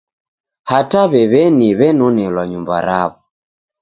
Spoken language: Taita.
Hata w'ew'eni w'enonelwa nyumba raw'o.